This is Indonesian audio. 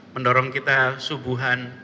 mendorong kita subuhan